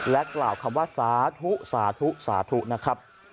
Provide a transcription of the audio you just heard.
กล่าวคำว่าสาธุสาธุสาธุนะครับ